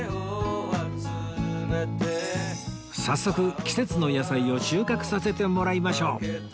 早速季節の野菜を収穫させてもらいましょう